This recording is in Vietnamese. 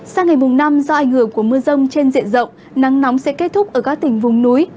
sang ngày mùng năm do ảnh hưởng của mưa rông trên diện rộng nắng nóng sẽ kết thúc ở các tỉnh vùng núi